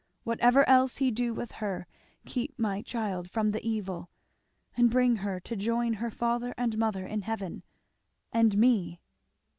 whatever else he do with her, keep my child from the evil! and bring her to join her father and mother in heaven! and me!"